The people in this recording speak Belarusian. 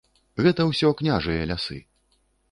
Гэта ўсё княжыя лясы.